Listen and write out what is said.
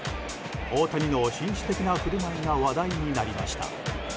大谷の紳士的な振る舞いが話題になりました。